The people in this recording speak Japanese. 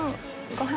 ご飯。